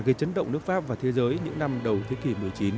gây chấn động nước pháp và thế giới những năm đầu thế kỷ một mươi chín